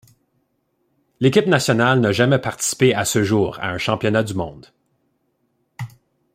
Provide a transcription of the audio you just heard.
L'équipe nationale n'a jamais participé à ce jour à un Championnat du monde.